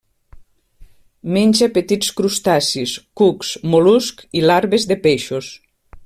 Menja petits crustacis, cucs, mol·luscs i larves de peixos.